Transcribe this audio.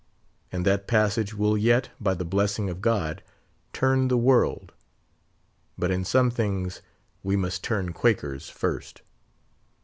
And that passage will yet, by the blessing of God, turn the world. But in some things we must turn Quakers first.